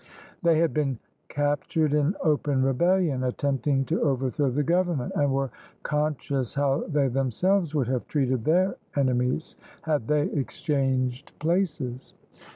They had been captured in open rebellion, attempting to overthrow the government, and were conscious how they themselves would have treated their enemies had they exchanged places.